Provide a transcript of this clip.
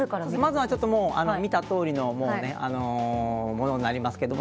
まずは見たとおりのものになりますけども。